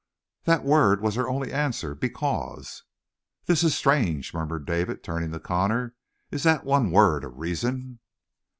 "That word was her only answer: 'Because.'" "This is strange," murmured David, turning to Connor. "Is that one word a reason?